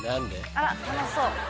あら楽しそう。